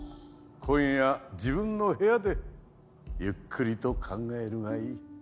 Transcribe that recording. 今夜自分の部屋でゆっくりと考えるがいい。